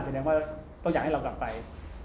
แสดงว่าต้องอยากให้เรากลับไป